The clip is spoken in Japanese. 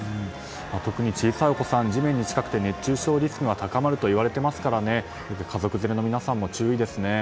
特に小さいお子さんは地面に近くて熱中症リスクが高いといわれていますから家族連れの皆さんも注意ですね。